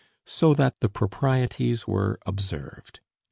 So that the proprieties were observed.